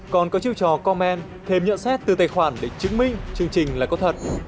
còn có chiêu trò comment thêm nhận xét từ tài khoản để chứng minh chương trình là có thật